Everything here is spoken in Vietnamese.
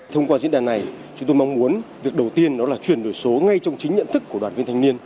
thông qua diễn đàn này chúng tôi mong muốn việc đầu tiên đó là chuyển đổi số ngay trong chính nhận thức của đoàn viên thanh niên